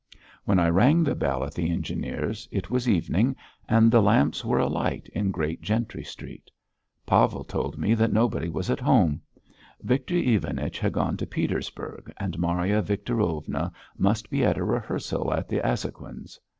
When I rang the bell at the engineer's, it was evening, and the lamps were alight in Great Gentry Street. Pavel told me that nobody was at home; Victor Ivanich had gone to Petersburg and Maria Victorovna must be at a rehearsal at the Azhoguins'.